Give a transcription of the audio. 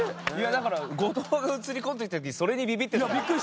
だから後藤が映り込んできた時それにびびってた。